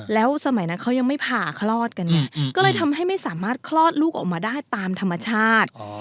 แล้วสมัยนั้นเขายังไม่ผ่าคลอดกันไงก็เลยทำให้ไม่สามารถคลอดลูกออกมาได้ตามธรรมชาติ